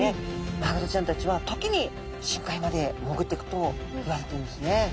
マグロちゃんたちは時に深海まで潜っていくといわれてるんですね。